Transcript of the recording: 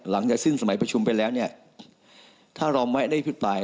หลังจากสิ้นสมัยประชุมไปแล้วเนี่ยถ้าเราไม่ได้พิปราย